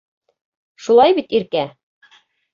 Шулай бит, Иркә?